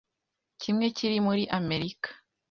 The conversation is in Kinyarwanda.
kimwe kiri muri Amerika